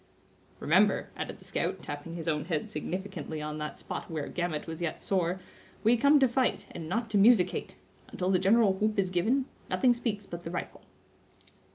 "Remember," added the scout, tapping his own head significantly on that spot where Gamut was yet sore, "we come to fight, and not to musickate. Until the general whoop is given, nothing speaks but the rifle."